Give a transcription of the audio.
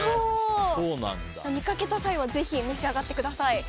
見かけた際はぜひ召し上がってください。